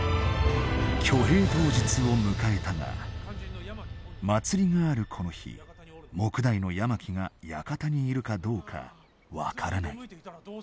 挙兵当日を迎えたが祭りがあるこの日目代の山木が館にいるかどうか分からない。